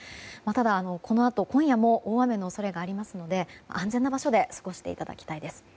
ただ、このあと今夜も大雨の恐れがありますので安全な場所で過ごしていただきたいです。